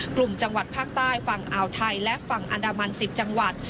กลุ่มจังหวัดภาคใต้ฝั่งอ่าวไทยและฝั่งอันดามัน๑๐จังหวัด